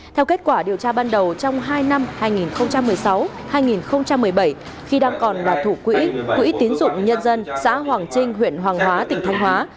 theo kết quả điều tra ban đầu trong hai năm hai nghìn một mươi sáu hai nghìn một mươi bảy khi đang còn là thủ quỹ quỹ tiến dụng nhân dân xã hoàng trinh huyện hoàng hóa tỉnh thanh hóa